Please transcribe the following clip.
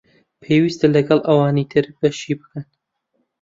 پێوستە لەگەڵ ئەوانی تر بەشی بکەن